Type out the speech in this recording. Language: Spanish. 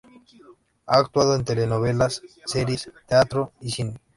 Ha actuado en telenovelas, series, teatro y cine.